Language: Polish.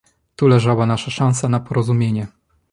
Tu leżała nasza szansa na porozumienie